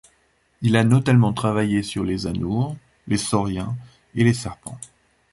Il a notamment travaillé sur les anoures, les sauriens et les serpents.